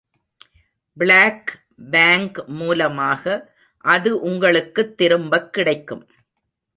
Black bank மூலமாக அது உங்களுக்குத் திரும்பக் கிடைக்கும்.